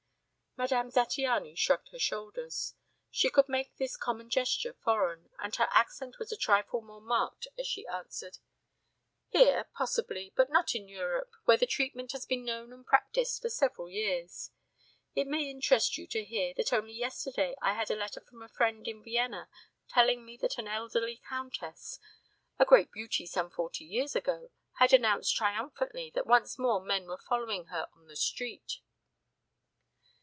Madame Zattiany shrugged her shoulders. She could make this common gesture foreign, and her accent was a trifle more marked as she answered, "Here, possibly, but not in Europe, where the treatment has been known and practised for several years. It may interest you to hear that only yesterday I had a letter from a friend in Vienna telling me that an elderly countess, a great beauty some forty years ago, had announced triumphantly that once more men were following her on the street."